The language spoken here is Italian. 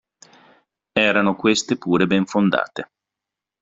Erano queste pure ben fondate.